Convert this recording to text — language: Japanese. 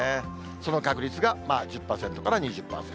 その確率が１０％から２０％。